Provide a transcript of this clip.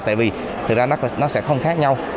tại vì thực ra nó sẽ không khác nhau